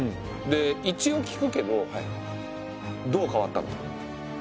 で一応聞くけどどう変わったの？